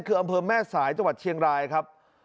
คืออำเภอแม่สายตเชียงรายครับ